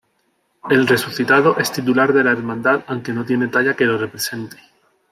El Resucitado es titular de la hermandad aunque no tiene talla que lo represente.